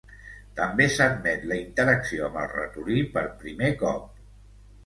També s'admet la interacció amb el ratolí per primer cop.